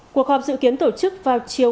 cuộc họp dự kiến tổ chức vào chiều